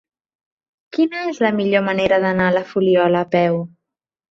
Quina és la millor manera d'anar a la Fuliola a peu?